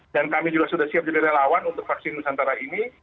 dan kami juga sudah siap jadi relawan untuk vaksin nusantara ini